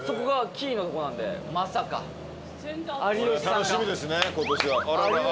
楽しみですねことしは。